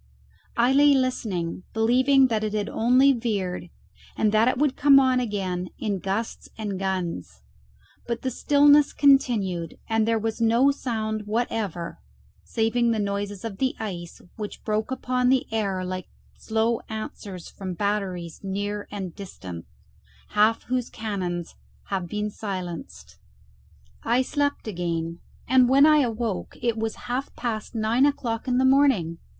I lay listening, believing that it had only veered, and that it would come on again in gusts and guns; but the stillness continued, and there was no sound whatever, saving the noises of the ice, which broke upon the air like slow answers from batteries near and distant, half whose cannons have been silenced. I slept again, and when I awoke it was half past nine o'clock in the morning.